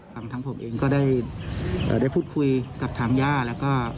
ครับทั้งผมเองก็ได้เอ่อได้พูดคุยกับทางย่าแล้วก็